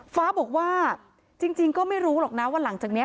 ฟ้าบอกว่าจริงก็ไม่รู้หรอกนะว่าหลังจากนี้